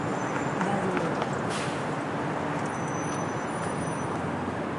va dir ella.